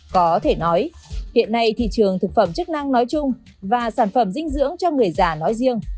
có thể nói hiện nay thị trường thực phẩm chức năng nói chung và sản phẩm dinh dưỡng cho người già nói riêng